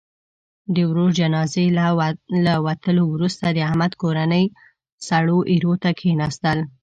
د ورور جنازې له وتلو وروسته، د احمد کورنۍ سړو ایرو ته کېناستل.